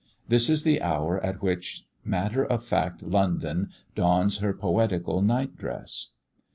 This is the hour at which matter of fact London dons her poetical night dress.